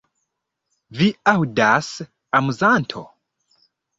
Vi aŭdas, amuzanto?